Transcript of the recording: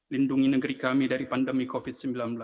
lindungi negeri kami dari pandemi covid sembilan belas